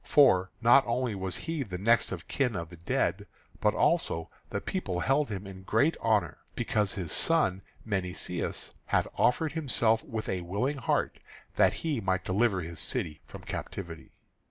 For not only was he the next of kin to the dead, but also the people held him in great honour because his son Menoeceus had offered himself with a willing heart that he might deliver his city from captivity.